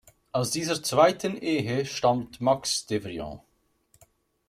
Aus dieser zweiten Ehe stammt Max Devrient.